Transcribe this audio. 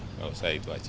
tidak usah itu saja